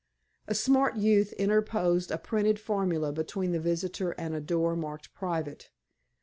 A smart youth interposed a printed formula between the visitor and a door marked "Private."